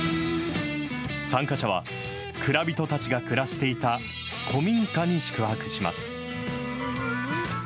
参加者は、蔵人たちが暮らしていた古民家に宿泊します。